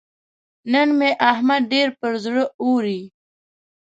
نن مې احمد ډېر پر زړه اوري.